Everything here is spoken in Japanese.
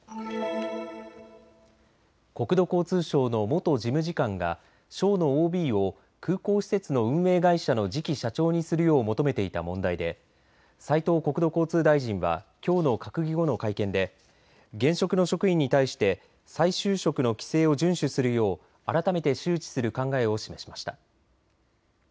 国土交通省の元事務次官が省のＯＢを空港施設の運営会社の次期社長にするよう求めていた問題で斉藤国土交通大臣はきょうの閣議後の会見で現職の職員に対して再就職の規制を順守するよう改めて周知する考えを示しました。